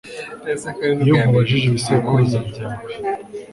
iyo nkubajije ibisekuruza byawe